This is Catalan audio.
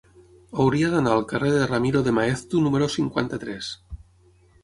Hauria d'anar al carrer de Ramiro de Maeztu número cinquanta-tres.